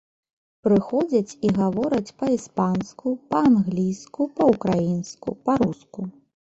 Прыходзяць і гавораць па-іспанску, па-англійску, па-ўкраінску, па-руску.